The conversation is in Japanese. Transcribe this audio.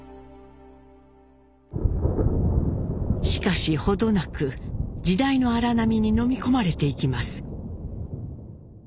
しかし程なく時代の荒波にのみ込まれていきます。